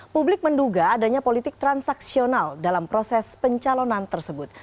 publik menduga adanya politik transaksional dalam proses pencalonan tersebut